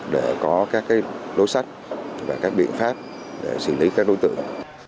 để có các đối sách và các biện pháp để xử lý các đối tượng